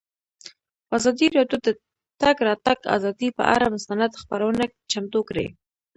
ازادي راډیو د د تګ راتګ ازادي پر اړه مستند خپرونه چمتو کړې.